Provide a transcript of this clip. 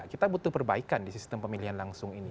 kita butuh perbaikan di sistem pemilihan langsung ini